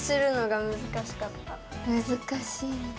むずかしいんだ。